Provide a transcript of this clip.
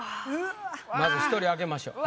まず１人開けましょう。